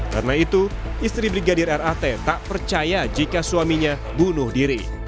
karena itu istri brigadir rat tak percaya jika suaminya bunuh diri